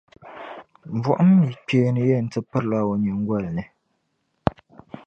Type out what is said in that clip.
BuɣumMi'kpeeni yεn ti pirila o nyiŋgoli ni.